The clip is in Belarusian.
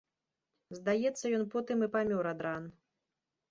Здаецца, ён потым і памёр ад ран.